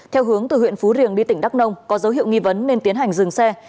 theo hướng từ huyện phú riềng đi tỉnh đắk nông có dấu hiệu nghi vấn nên tiến hành dừng xe